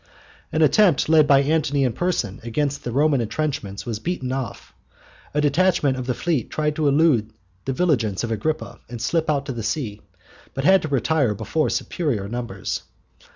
An attempt led by Antony in person against the Roman entrenchments was beaten off. A detachment of the fleet tried to elude the vigilance of Agrippa and slip out to sea, but had to retire before superior numbers.